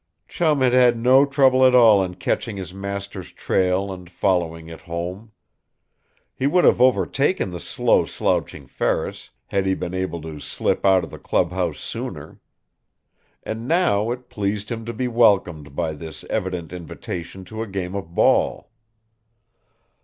Chum had had no trouble at all in catching his master's trail and following it home. He would have overtaken the slow slouching Ferris, had he been able to slip out of the clubhouse sooner. And now it pleased him to be welcomed by this evident invitation to a game of ball.